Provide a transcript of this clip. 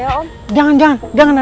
aku mau pergi ke rumah